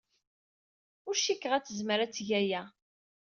Ur cikkeɣ ad tezmer ad teg aya.